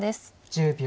１０秒。